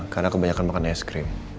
karena kebanyakan makan es krim